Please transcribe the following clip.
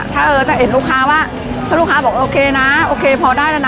ถ้าเออถ้าเห็นลูกค้าว่าถ้าลูกค้าบอกโอเคนะโอเคพอได้แล้วนะ